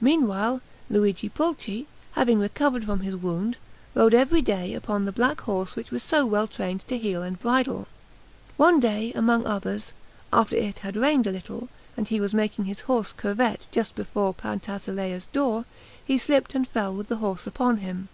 Meanwhile Luigi Pulci, having recovered from his wound, rode every day upon the black horse which was so well trained to heel and bridle. One day, among others, after it had rained a little, and he was making his horse curvet just before Pantasilea's door, he slipped and fell, with the horse upon him.